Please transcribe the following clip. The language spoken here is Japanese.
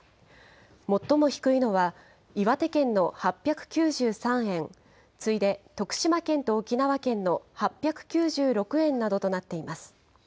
最も低いのは、岩手県の８９３円、次いで徳島県と沖縄県の８９６円などとなっています。